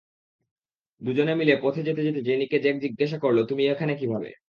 দুজনে মিলে পথে যেতে যেতে জেনিকে জ্যাক জিজ্ঞাসা করল তুমি এখানে কীভাবে।